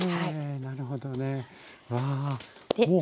なるほどね。